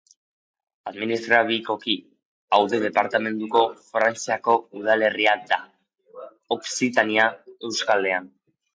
Administratiboki Aude departamenduko Frantziako udalerria da, Okzitania eskualdean.